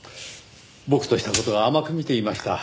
僕とした事が甘く見ていました。